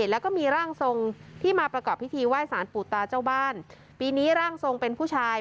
แล้วก็มีร่างทรงที่มาประกอบพิธีไหว้สารปู่ตาเจ้าบ้านปีนี้ร่างทรงเป็นผู้ชาย